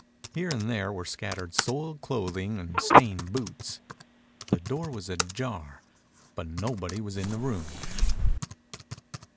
Here and there were scattered soiled clothing and stained boots. The door was ajar, but nobody was in the room.